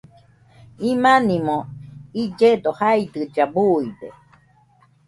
Imanimo illledo jaidɨlla, buide